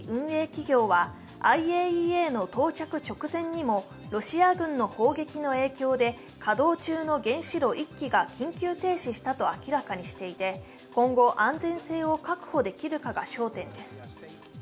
企業はＩＡＥＡの到着直前にもロシア軍の砲撃の影響で稼働中の原子炉１基が緊急停止したと明らかにしていて今後、安全性を確保できるかが焦点です。